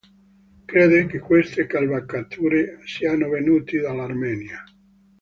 Crede che queste cavalcature siano venuti dall'Armenia.